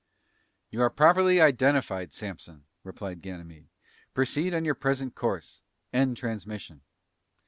"You are properly identified, Samson," replied Ganymede. "Proceed on your present course. End transmission."